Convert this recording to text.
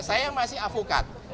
saya masih avokat